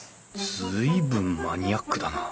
随分マニアックだな